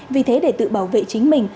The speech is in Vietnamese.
vì thế để tự bảo vệ chính mình